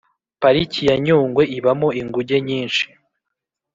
pariki yanyungwe ibamo inguge nyinshi